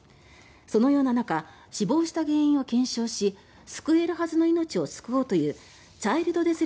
そのような中死亡した原因を検証し救えるはずの命を救おうというチャイルド・デス・